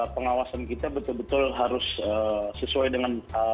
pengawasan kita betul betul harus sesuai dengan